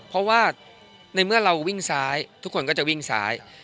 เพราะว่าในเมื่อเราวิ่งซ้ายทุกคนก็จะวิ่งซ้าย